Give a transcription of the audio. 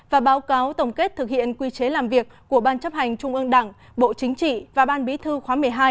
và báo cáo tổng kết thực hiện quy chế làm việc của ban chấp hành trung ương đảng bộ chính trị và ban bí thư khóa một mươi hai